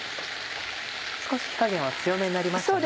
少し火加減は強めになりますね。